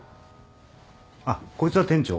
あっこいつは店長。